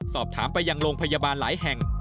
สอบถามไปยังโรงพยาบาลหลายแห่ง